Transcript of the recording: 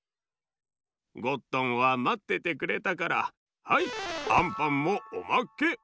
ゴットンはまっててくれたからはいアンパンもおまけ。